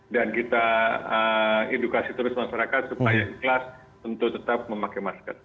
dan kita edukasi terus masyarakat supaya ikhlas untuk tetap memakai masker